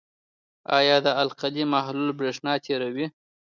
آیا د القلي محلول برېښنا تیروي؟